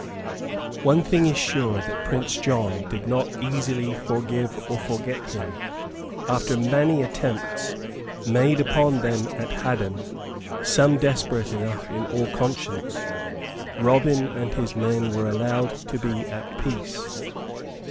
One thing is sure that Prince John did not easily forgive or forget him. After many attempts made upon them at Haddon some desperate enough in all conscience, Robin and his men were allowed to be at peace.